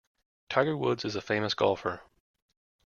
Tiger Woods is a famous golfer.